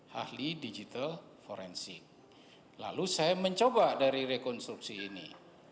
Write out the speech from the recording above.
hai ahli digital forensik lalu saya mencoba dari rekonstruksi ini